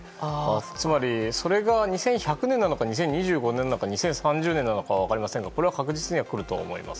つまり、それが２１００年なのか２０２５年なのか２０３０年なのか分かりませんが確実に来るとは思います。